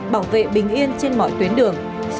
bảo vệ bình yên trên mọi tuyến đường